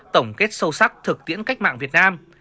tổng kết sâu sắc thực tiễn cách mạng việt nam